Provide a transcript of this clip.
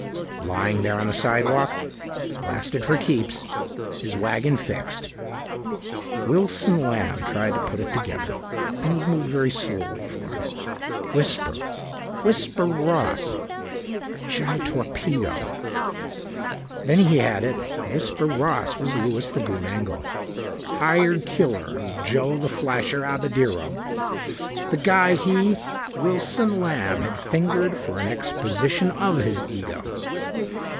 Lying there on the sidewalk, blasted for keeps, his wagon fixed, Wilson Lamb tried to put it together. Things moved very slowly for him. Whisper. Whisper Ross, Chi torpedo. Then he had it. Whisper Ross was Louis the Goon Engel. Hired killer of Joe The Flasher Abadirro. The guy he, Wilson Lamb, had fingered for an exposition of his ego.